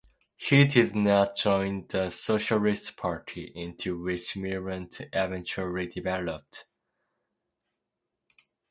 He did not join the Socialist Party, into which Militant eventually developed.